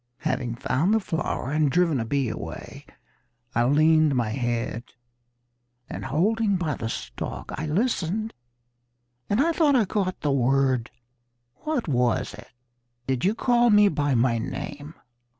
"Having found the flower and driven a bee away, I leaned my head, And holding by the stalk, I listened and I thought I caught the word What was it? Did you call me by my name?